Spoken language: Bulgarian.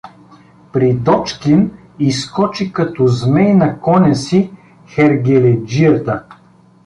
При Дочкин изскочи като змей на коня си хергеледжията.